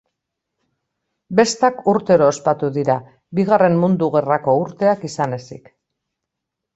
Bestak urtero ospatu dira, Bigarren Mundu Gerrako urteak izan ezik.